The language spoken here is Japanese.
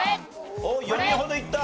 おっ４人ほどいった。